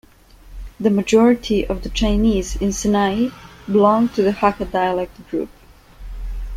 The majority of the Chinese in Senai belong to the Hakka dialect group.